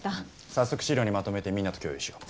早速資料にまとめてみんなと共有しよう。